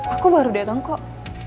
aku baru datang kok